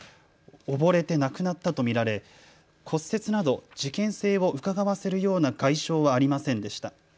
溺れて亡くなったと見られ骨折など事件性をうかがわせるような外傷はありませんでした。